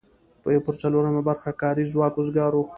یو پر څلورمه برخه کاري ځواک وزګار و.